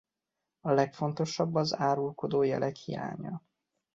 A legfontosabb az árulkodó jelek hiánya.